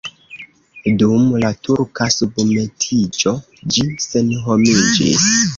Dum la turka submetiĝo ĝi senhomiĝis.